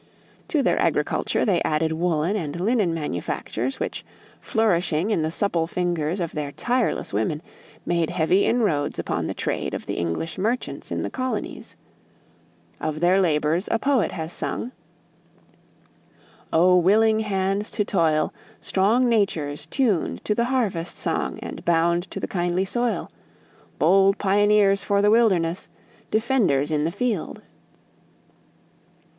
To their agriculture they added woolen and linen manufactures, which, flourishing in the supple fingers of their tireless women, made heavy inroads upon the trade of the English merchants in the colonies. Of their labors a poet has sung: "O, willing hands to toil; Strong natures tuned to the harvest song and bound to the kindly soil; Bold pioneers for the wilderness, defenders in the field."